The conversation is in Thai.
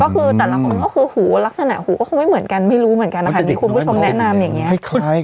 ก็คือหูลักษณะหูก็คงไม่เหมือนกันไม่รู้เหมือนกันค่ะคุณผู้ชมแนะนำอย่างงี้